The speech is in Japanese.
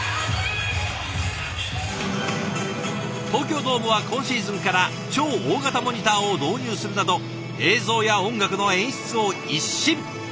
東京ドームは今シーズンから超大型モニターを導入するなど映像や音楽の演出を一新。